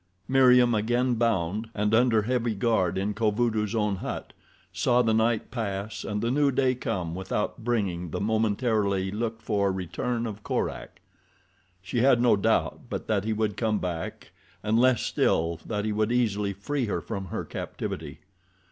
Meriem, again bound and under heavy guard in Kovudoo's own hut, saw the night pass and the new day come without bringing the momentarily looked for return of Korak. She had no doubt but that he would come back and less still that he would easily free her from her captivity.